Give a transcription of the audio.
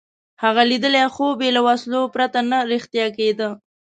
هغه لیدلی خوب یې له وسلو پرته نه رښتیا کېده.